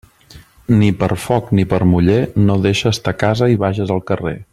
Ni per foc ni per muller no deixes ta casa i vages al carrer.